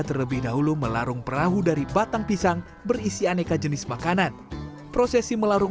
terlebih dahulu melarung perahu dari batang pisang berisi aneka jenis makanan prosesi melarung